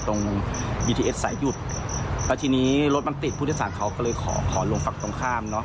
ตรงบีทีเอสสายหยุดแล้วทีนี้รถมันติดผู้โดยสารเขาก็เลยขอขอลงฝั่งตรงข้ามเนอะ